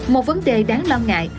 một vấn đề đáng lo ngại